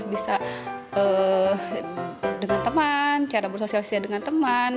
bisa dengan teman cara bersosialisasi dengan teman